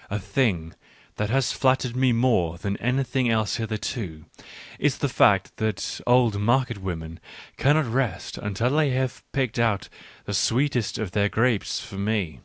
\ A thing that has flattered me more than anything else hitherto, is the fact that old market women ! cannot rest until they have picked out the sweetest of their grapes for me.